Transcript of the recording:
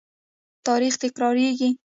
تاریخ تکراریږي